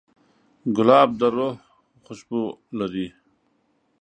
ګلاب د روح خوشبو لري.